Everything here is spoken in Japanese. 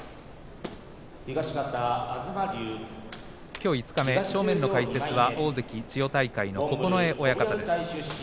きょう五日目、正面の解説は大関千代大海の九重親方です。